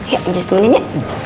ya just mengin ya